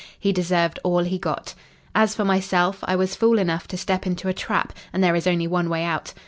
He deserved all he got. As for myself, I was fool enough to step into a trap, and there is only one way out.